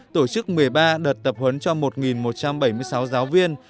tổ chức một mươi ba đợt tập huấn cho một một trăm bảy mươi sáu giáo viên